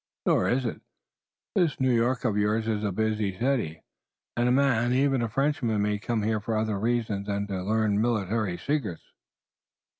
"Nor is it. This New York of yours is a busy city, and a man, even a Frenchman, may come here for other reasons than to learn military secrets."